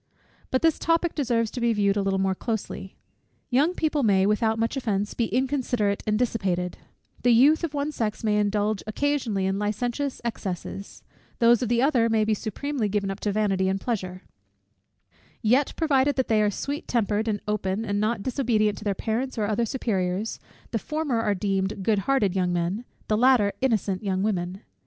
But this topic deserves to be viewed a little more closely. Young people may, without much offence, be inconsiderate and dissipated; the youth of one sex may indulge occasionally in licentious excesses; those of the other may be supremely given up to vanity and pleasure: yet, provided that they are sweet tempered, and open, and not disobedient to their parents or other superiors, the former are deemed good hearted young men, the latter, innocent young women.